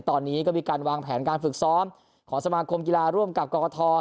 ตอนนี้ก็มีการวางแผนการฝึกซ้อมของสมาคมกีฬาร่วมกับกรกฐ